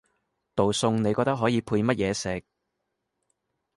道餸你覺得可以配乜嘢食？